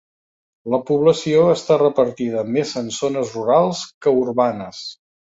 La població està repartida més en zones rurals que urbanes.